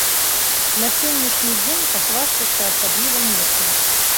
На сённяшні дзень пахвастацца асабліва нечым.